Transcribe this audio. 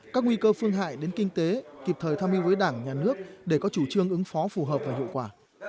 các nguy cơ phương hại đến kinh tế kịp thời tham mưu với đảng nhà nước để có chủ trương ứng phó phù hợp và hiệu quả